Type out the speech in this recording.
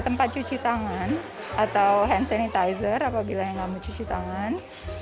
tempat cuci tangan atau hand sanitizer apabila nggak mau cuci tangan